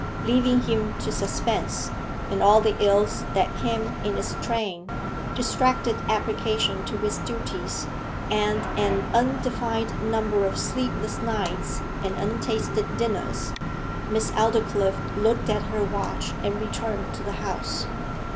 Leaving him to suspense, and all the ills that came in its train distracted application to his duties, and an undefined number of sleepless nights and untasted dinners, Miss Aldclyffe looked at her watch and returned to the House.